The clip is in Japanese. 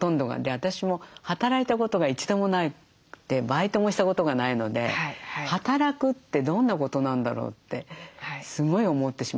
私も働いたことが一度もなくてバイトもしたことがないので働くってどんなことなんだろうってすごい思ってしまって。